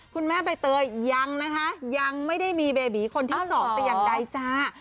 คุณแม่ใบเตยยังนะคะยังไม่ได้มีเบบีคนที่สองแต่อย่างใดจ้า